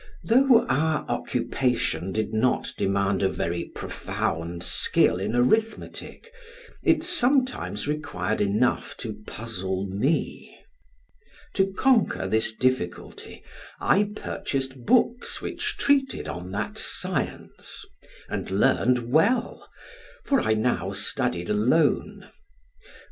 Though our occupation did not demand a very profound skill in arithmetic, it sometimes required enough to puzzle me. To conquer this difficulty, I purchased books which treated on that science, and learned well, for I now studied alone.